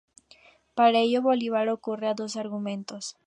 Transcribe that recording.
Para ello, Bolívar recurre a dos argumentos.